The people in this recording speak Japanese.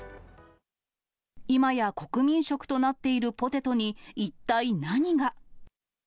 いまや国民食となっているポテトに一体何が。